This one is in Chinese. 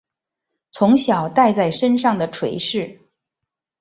从小带在身上的垂饰